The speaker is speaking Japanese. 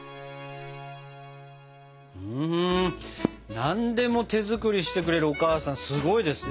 何でも手作りしてくれるお母さんすごいですね。